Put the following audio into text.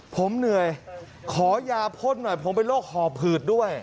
ผมเหนื่อยขอยาพ่นหน่อยผมเป็นโรคหอบหืดด้วย